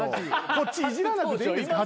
こっちいじらなくていいんですか？